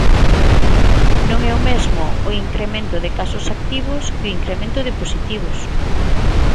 Non é o mesmo o incremento de casos activos que o incremento de positivos.